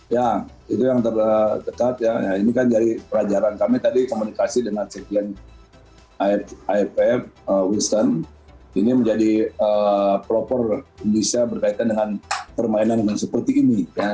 ya itu yang terdekat ini kan dari pelajaran kami tadi komunikasi dengan sekian iff winston ini menjadi proper indonesia berkaitan dengan permainan seperti ini